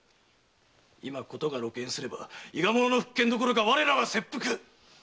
今事が露見すれば伊賀者の復権どころか我らは切腹！